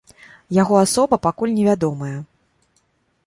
Яго асоба пакуль не вядомая.